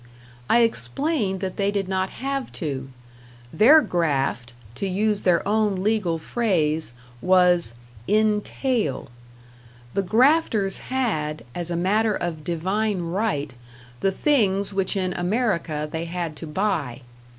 I explained that they did not have to; their graft, to use their own legal phrase, was "in tail"; the grafters had, as a matter of divine right, the things which in America they had to buy.